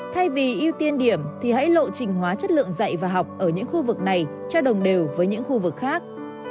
thay vì ưu tiên điểm thì hãy lộ trình hóa chất lượng dạy và học ở những khu vực này cho đồng đều với những khu vực khác